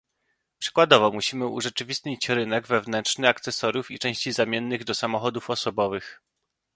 Przykładowo musimy urzeczywistnić rynek wewnętrzny akcesoriów i części zamiennych do samochodów osobowych